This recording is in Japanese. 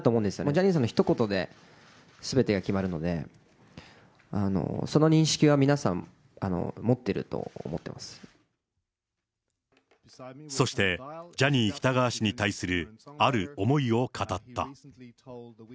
ジャニーさんのひと言ですべてが決まるので、その認識は、そして、ジャニー喜多川氏に対するある思いを語った。